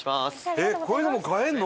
こういうのも買えるの？